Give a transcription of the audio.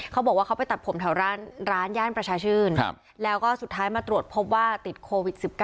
เขาบอกว่าเขาไปตัดผมแถวร้านย่านประชาชื่นแล้วก็สุดท้ายมาตรวจพบว่าติดโควิด๑๙